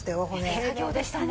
手作業でしたね。